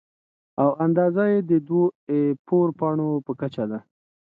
او اندازه یې د دوو اې فور پاڼو په کچه ده.